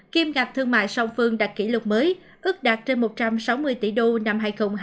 kiêm ngạc thương mại song phương đạt kỷ lục mới ước đạt trên một trăm sáu mươi tỷ đô năm hai nghìn hai mươi một